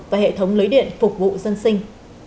và hệ thống lưới điện phục vụ dân sinh